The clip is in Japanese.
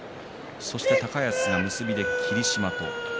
そして高安が結びで霧島と。